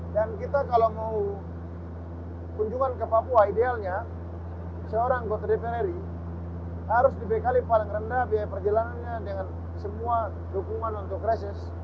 dan kita kalau mau kunjungan ke papua idealnya seorang gote depeneri harus dibekali paling rendah biaya perjalanannya dengan semua dukungan untuk reses